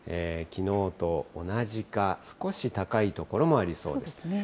きのうと同じか、少し高い所もありそうです。